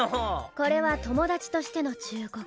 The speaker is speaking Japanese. これは友達としての忠告。